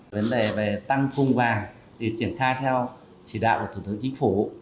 vấn đề về tăng cung vàng thì triển khai theo chỉ đạo của thủ tướng chính phủ